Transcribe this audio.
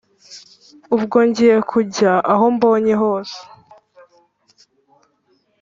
ubwo ngiye kujya aho mbonye hose?